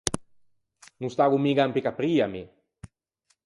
No staggo miga in Piccapria mi!